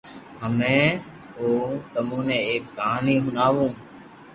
ھمي ھو تمو نو ايڪ ڪھاني ھڻاووُ